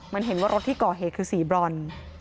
มันเห็นว่ารถที่ก่อเหตุคือสีบรอน